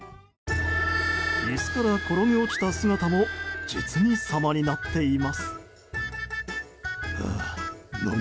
椅子から転げ落ちた姿も実に様になっています。